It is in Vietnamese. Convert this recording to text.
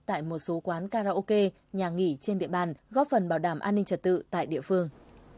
tại một số quán karaoke nhà nghỉ trên địa bàn góp phần bảo đảm an ninh trật tự tại địa phương